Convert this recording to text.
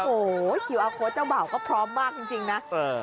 โอ้โหคิวอาร์โค้ดเจ้าบ่าวก็พร้อมมากจริงนะ